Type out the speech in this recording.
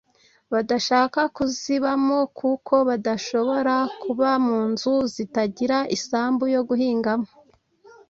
badashaka kuzibamo kuko badashobora kuba mu nzu zitagira isambu yo guhingamo